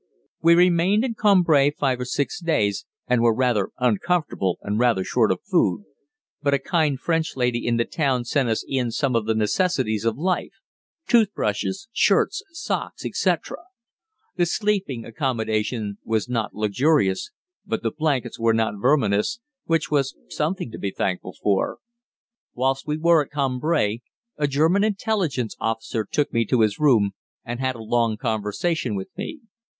We remained in Cambrai five or six days, and were rather uncomfortable and rather short of food, but a kind French lady in the town sent us in some of the necessities of life tooth brushes, shirts, socks, etc. The sleeping accommodation was not luxurious, but the blankets were not verminous, which was something to be thankful for. Whilst we were at Cambrai a German Intelligence officer took me to his room and had a long conversation with me.